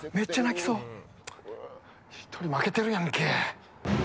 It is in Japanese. １人負けてるやんけ。